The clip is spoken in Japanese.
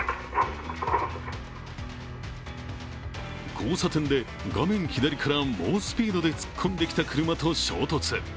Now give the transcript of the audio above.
交差点で画面左から猛スピードで突っ込んできた車と衝突。